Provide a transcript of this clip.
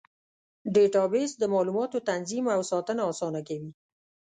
ډیټابیس د معلوماتو تنظیم او ساتنه اسانه کوي.